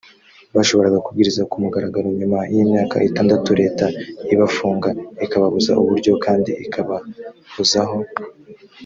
bashoboraga kubwiriza ku mugaragaro nyuma y imyaka itandatu leta ibafunga ikababuza uburyo kandi ikabahozaho